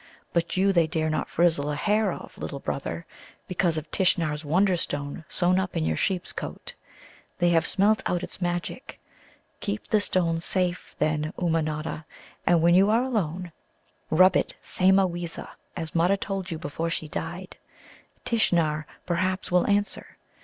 But you they dare not frizzle a hair of, little brother, because of Tishnar's Wonderstone sewn up in your sheep's coat. They have smelt out its magic. Keep the stone safe, then, Ummanodda, and, when you are alone, rub it Sāmaweeza as Mutta told you before she died. Tishnar, perhaps, will answer.